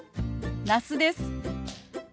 那須です。